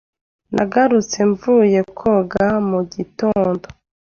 Nagarutse mvuye koga mu gitondo.